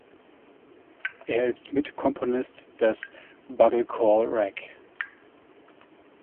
Er ist Mitkomponist des „"Bugle Call Rag"“.